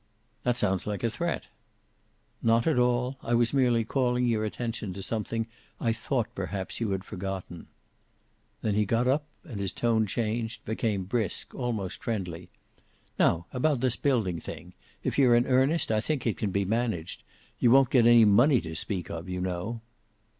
"That sounds like a threat." "Not at all. I was merely calling your attention to something I thought perhaps you had forgotten." Then he got up' and his tone changed, became brisk, almost friendly. "Now, about this building thing. If you're in earnest I think it can be managed. You won't get any money to speak of, you know."